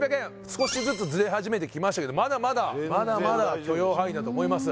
少しずつズレ始めてきましたけどまだまだ全然大丈夫まだまだ許容範囲だと思います